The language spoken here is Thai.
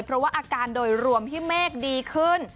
เพราะว่าอาการโดยรวมพี่เมฆดีขึ้น